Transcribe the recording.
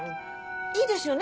いいですよね？